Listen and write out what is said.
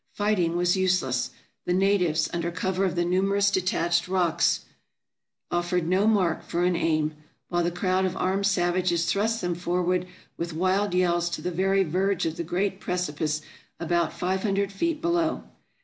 Fighting was useless ; the natives, under cover of the numerous detached rocks, offered no mark for an aim ; while the crowd of armed sav ages thrust them forward with wild yells to the very verge of the great precipice about five hundred feet below.